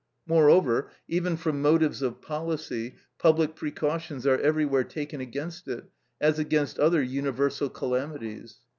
Moreover, even from motives of policy, public precautions are everywhere taken against it, as against other universal calamities.